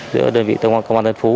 giữa đơn vị công an huyện tân phú